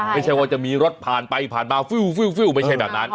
ไม่ใช่ว่าจะมีรถผ่านไปผ่านมาฟิวไม่ใช่แบบนั้น